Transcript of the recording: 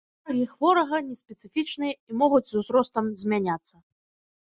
Скаргі хворага неспецыфічныя і могуць з узростам змяняцца.